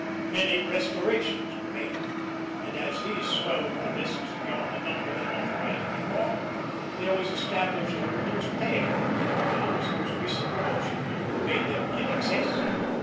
Many restorations were made; and, as these swelled the lists beyond the number then authorized by law, there was established a reduced pay for those whose recent promotion made them in excess.